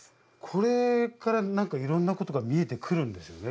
これから何かいろんなことが見えてくるんですよね？